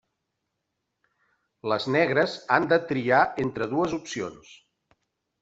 Les negres han de triar entre dues opcions.